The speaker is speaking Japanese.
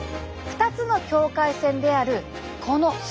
２つの境界線であるこの筋。